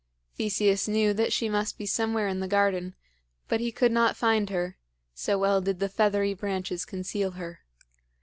Theseus knew that she must be somewhere in the garden, but he could not find her, so well did the feathery branches conceal her.